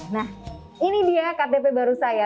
nah ini dia ktp baru saya